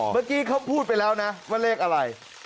เมื่อกี้เขาพูดไปแล้วนะว่าเลขอะไร